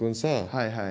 はい。